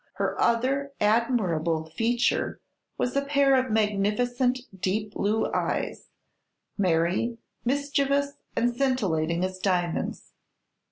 Her other admirable feature was a pair of magnificent deep blue eyes merry, mischievous and scintillating as diamonds.